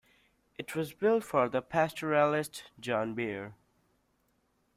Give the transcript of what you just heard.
It was built for the pastoralist John Bear.